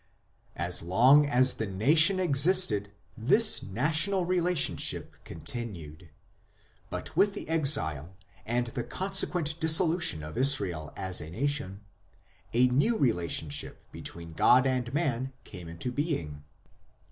As long as the nation existed this national relationship continued. But with the Exile, and the consequent dis solution of Israel as a nation, a new relationship between God and man came into being.